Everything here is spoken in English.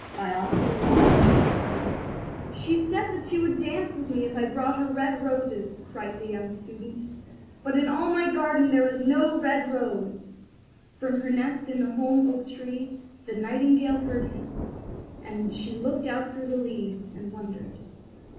[Picture: Decorative graphic of young man lying on grass] "SHE said that she would dance with me if I brought her red roses," cried the young Student; "but in all my garden there is no red rose." From her nest in the holm oak tree the Nightingale heard him, and she looked out through the leaves, and wondered.